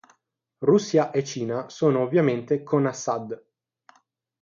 Russia e Cina sono ovviamente con Assad".